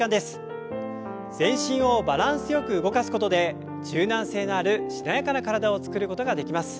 全身をバランスよく動かすことで柔軟性があるしなやかな体を作ることができます。